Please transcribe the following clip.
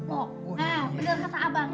benar kata abang